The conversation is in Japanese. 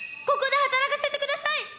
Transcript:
ここで働かせてください。